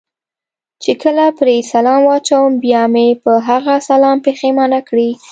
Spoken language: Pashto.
چې کله پرې سلام واچوم، بیا مې په هغه سلام پښېمانه کړي.